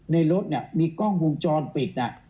ในรถมีกล้องวงจรปิด